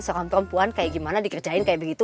seorang perempuan kayak gimana dikerjain kayak begitu